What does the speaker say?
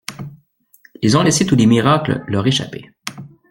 Ils ont laissé tous les miracles leur échapper.